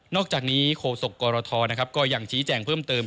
อกจากนี้โฆษกรทก็ยังชี้แจงเพิ่มเติม